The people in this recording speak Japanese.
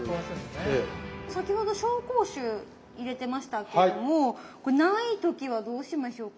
先ほど紹興酒入れてましたけどもこれない時はどうしましょうか？